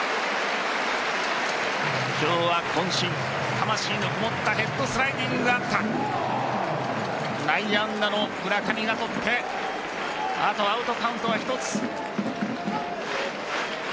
今日は渾身、魂のこもったヘッドスライディングがあった内野安打の村上が捕ってあとアウトカウントは１つ。